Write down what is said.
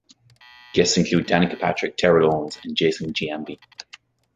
Guests included Danica Patrick, Terrell Owens and Jason Giambi.